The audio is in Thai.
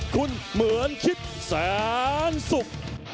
คุณเหมือนคิดแสนสุข